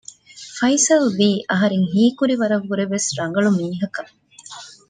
ފައިސަލްވީ އަހަރެން ހީކުރި ވަރަށް ވުރެވެސް ރަނގަޅު މީހަކަށް